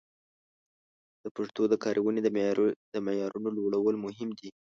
د پښتو د کارونې د معیارونو لوړول مهم دي.